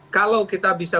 kalau kita bisa